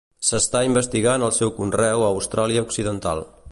S'està investigant el seu conreu a Austràlia occidental.